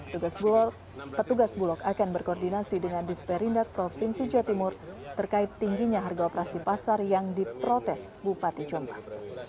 petugas bulog akan berkoordinasi dengan disperindak provinsi jawa timur terkait tingginya harga operasi pasar yang diprotes bupati jombang